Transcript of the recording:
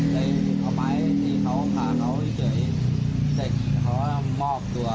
เดี๋ยวตามไปเขาท่านเขาเจอเจ็กเขาต้องมอบตัว